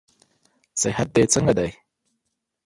صحت دې څنګه دئ؟